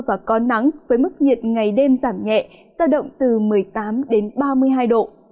và có nắng với mức nhiệt ngày đêm giảm nhẹ giao động từ một mươi tám đến ba mươi hai độ